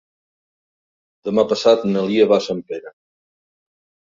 Demà passat na Lia va a Sempere.